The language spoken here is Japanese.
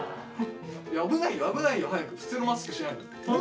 危ないよ危ないよ。早く普通のマスクしなよ。